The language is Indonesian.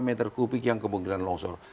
tiga meter kubik yang kemungkinan longsor